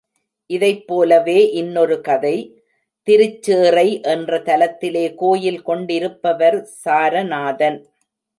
இதைப்போலவே இன்னொரு கதை, திருச்சேறை என்ற தலத்திலே கோயில் கொண்டிருப்பவர் சாரநாதன்.